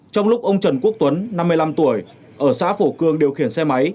trong lúc ông trần quốc tuấn năm mươi năm tuổi ở xã phổ cường điều khiển xe máy